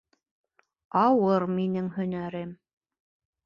Ауыр минең һөнәрем.